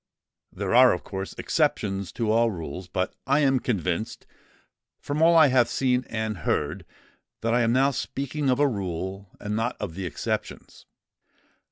There are, of course, exceptions to all rules; but I am convinced, from all I have seen and heard, that I am now speaking of a rule, and not of the exceptions.